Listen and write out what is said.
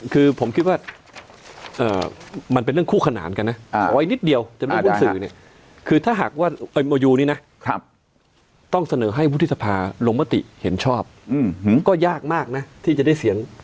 คือผมคิดว่ามันเป็นเรื่องคู่ขนานกันนะหวังไว้นิดเดียวแต่ไม่หุ้นสื่อเนี่ย